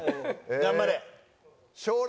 頑張れ！